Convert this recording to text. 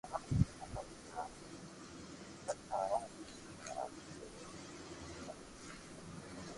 مني ھمج ڪوئي آوي ھي